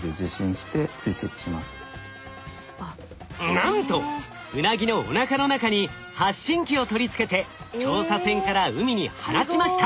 なんとウナギのおなかの中に発信機を取り付けて調査船から海に放ちました。